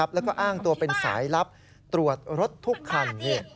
แล้วก็อ้างตัวเป็นสายลับตรวจรถทุกคัน